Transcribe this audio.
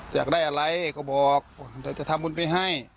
อยากได้อะไรก็บอกเดี๋ยวจะทำบุญไปให้